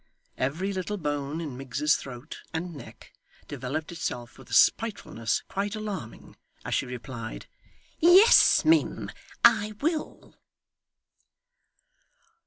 Every little bone in Miggs's throat and neck developed itself with a spitefulness quite alarming, as she replied, 'Yes, mim, I will.